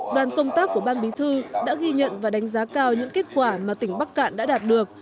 đoàn công tác của ban bí thư đã ghi nhận và đánh giá cao những kết quả mà tỉnh bắc cạn đã đạt được